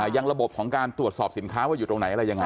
ระบบของการตรวจสอบสินค้าว่าอยู่ตรงไหนอะไรยังไง